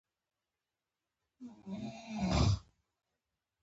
مجرمانو ته د جرم مطابق ډول ډول سزاګانې ورکول کېدې.